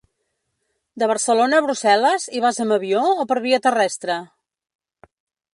De Barcelona a Brussel·les, hi vas amb avió o per via terrestre?